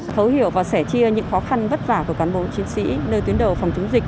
thấu hiểu và sẻ chia những khó khăn vất vả của cán bộ chiến sĩ nơi tuyến đầu phòng chống dịch